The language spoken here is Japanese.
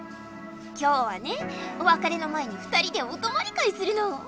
今日はねおわかれの前に２人でおとまり会するの！